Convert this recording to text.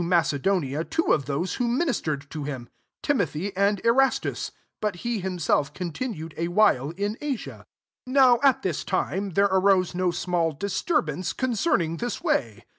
Macedonia two of those who ministered to htm, Timothy and Erastus ; but he himself continued a while in Asia. ^ Now at this time, there arose no small disturbance con cerning this way.